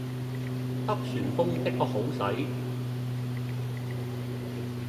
黑旋風的確好使